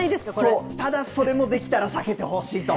そう、ただそれも、できたら避けてほしいと。